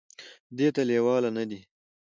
دې ته لېواله نه دي ،